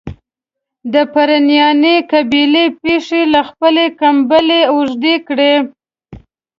د پرنیاني قبیلې پښې له خپلي کمبلي اوږدې کړي.